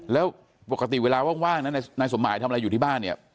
แล้วปกติเวลาว่างนะนายสมหมายทำอะไรอยู่ที่บ้านเนี่ย